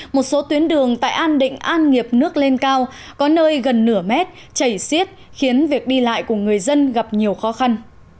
một số tuyến đường tại an định an nghiệp nước lên cao có nơi gần nửa mét chảy xiết khiến việc đi lại của người dân gặp nhiều khó khăn